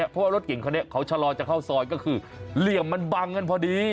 เพราะว่ารถเก่งคันนี้เขาชะลอจะเข้าซอยก็คือเหลี่ยมมันบังกันพอดี